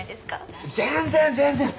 全然全然。